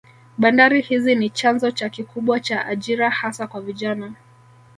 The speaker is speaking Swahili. Bandari hizi ni chanzo cha kikubwa cha ajira hasa kwa vijana